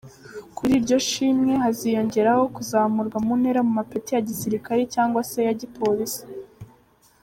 Kuri iryo shimwe haziyongeraho kuzamurwa muntera mumapeti ya gisirikari cyangwa se ya gipolisi.